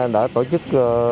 đã tổ chức